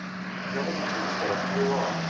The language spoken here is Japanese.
ヤギと来たらこれは。